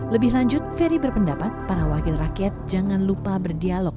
lebih lanjut ferry berpendapat para wakil rakyat jangan lupa berdialog